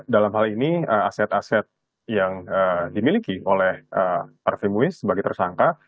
dalam hal ini aset aset yang dimiliki oleh arvi muis sebagai tersangka